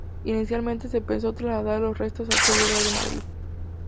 Inicialmente se pensó trasladar los restos a otro lugar de Madrid.